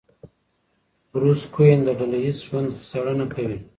بروس کوئن د ډله ایز ژوند څېړنه کوي.